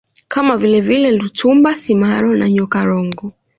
kama vilevile Lutumba Simaro na Nyoka Longo